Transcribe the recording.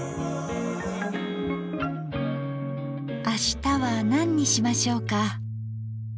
明日は何にしましょうか。